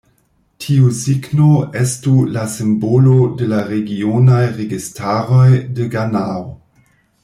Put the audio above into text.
Tiu signo estu la simbolo de la regionaj registaroj de Ganao.